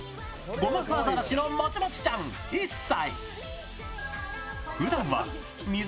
ゴマフアザラシのもちもちちゃん１歳。